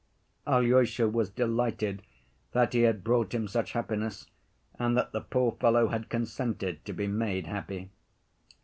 Alyosha was delighted that he had brought him such happiness and that the poor fellow had consented to be made happy.